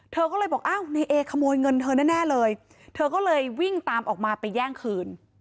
เธอก็เลยบอกนัยเอครโมยเงินเธอนั่นแน่เลย